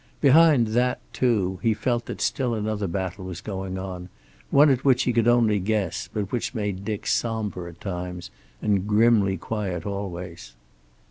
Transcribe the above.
Behind that, too, he felt that still another battle was going on, one at which he could only guess, but which made Dick somber at times and grimly quiet always.